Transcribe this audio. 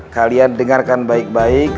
kalian dengarkan baik baik